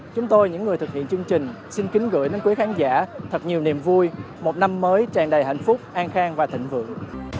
chúng tôi những người thực hiện chương trình xin kính gửi đến quý khán giả thật nhiều niềm vui một năm mới tràn đầy hạnh phúc an khang và thịnh vượng